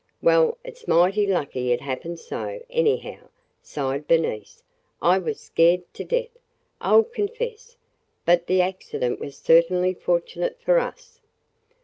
"Well, it 's mighty lucky it happened so, anyway," sighed Bernice. "I was scared to death, I 'll confess, but the accident was certainly fortunate for us!"